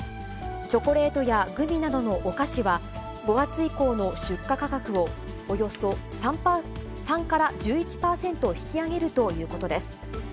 チョコレートやグミなどのお菓子は、５月以降の出荷価格を、およそ３から１１％引き上げるということです。